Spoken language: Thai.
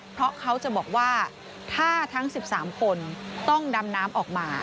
เพราะเขาจะบอกว่าถ้าทั้ง๑๓คนต้องดำน้ำออกมา